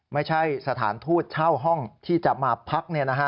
ไม่ใช่สถานทูตเช่าห้องที่จะมาพัก